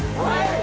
はい！